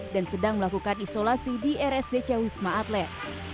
dan sedang melakukan isolasi di rsdc wisma atlet